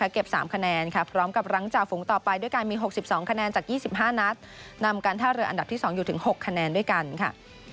เก็บ๓คะแนนพร้อมกับหลังจากฝูงต่อไปด้วยการมี๖๒คะแนนจาก๒๕นัดนำการท่าเรืออันดับที่๒อยู่ถึง๖คะแนนด้วยกันค่ะ